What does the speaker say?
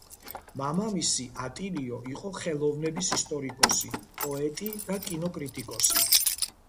მამამისი, ატილიო, იყო ხელოვნების ისტორიკოსი, პოეტი და კინო კრიტიკოსი.